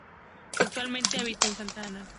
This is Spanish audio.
Actualmente habita en Santa Ana.